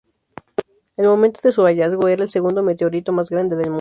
En el momento de su hallazgo, era el segundo meteorito más grande del mundo.